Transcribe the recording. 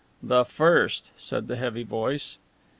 "The first," said the heavy voice.